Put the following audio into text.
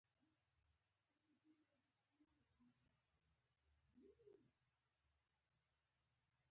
ملفوظات الافضلېه، د چاپ پۀ مرحلو کښې دی